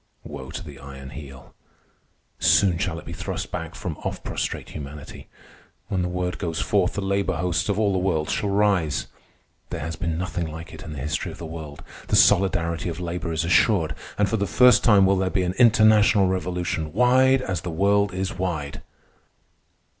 Woe to the Iron Heel! Soon shall it be thrust back from off prostrate humanity. When the word goes forth, the labor hosts of all the world shall rise. There has been nothing like it in the history of the world. The solidarity of labor is assured, and for the first time will there be an international revolution wide as the world is wide.